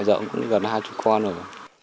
giờ cũng gần hai chục con rồi